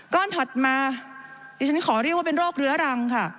ถัดมาดิฉันขอเรียกว่าเป็นโรคเรื้อรังค่ะ